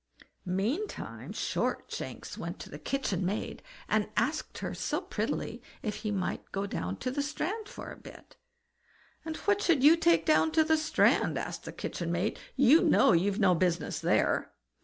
Meantime Shortshanks went to the kitchen maid, and asked her so prettily if he mightn't go down to the strand for a bit? "And what should take you down to the strand?" asked the kitchen maid. "You know you've no business there."